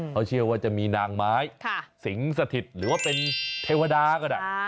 เขาเชื่อว่าจะมีนางไม้สิงสถิตหรือว่าเป็นเทวดาก็ได้